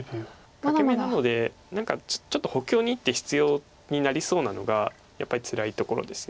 欠け眼なので何かちょっと補強に１手必要になりそうなのがやっぱりつらいところです。